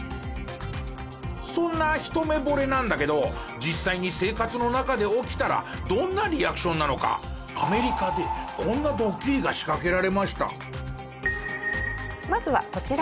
そんな一目惚れなんだけど実際に生活の中で起きたらどんなリアクションなのかアメリカでこんなドッキリが仕掛けられました。